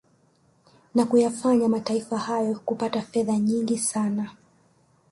Na kuyafanya mataifa hayo kupata fedha nyingi sana